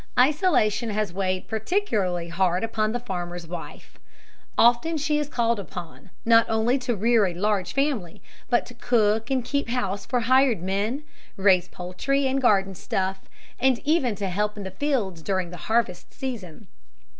Isolation has weighed particularly hard upon the farmer's wife. Often she is called upon, not only to rear a large family, but to cook and keep house for hired men, raise poultry and garden stuff, and even to help in the fields during the harvest season.